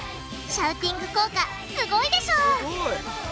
シャウティング効果すごいでしょすごい。